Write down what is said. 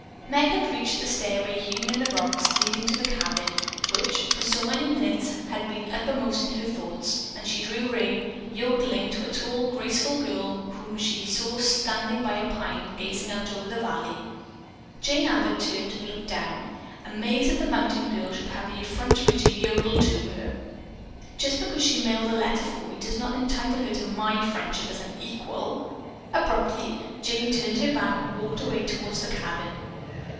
Meg had reached the stairway hewn in the rocks, leading to the cabin, which, for so many minutes had been uppermost in her thoughts, and she drew rein, yodeling to a tall, graceful girl whom she saw standing by a pine gazing out over the valley. Jane Abbott turned and looked down, amazed that the mountain girl should have the effrontery to yodel to her. "Just because she mailed a letter for me does not entitle her to my friendship as an equal!" Abruptly Jane turned her back and walked away toward the cabin.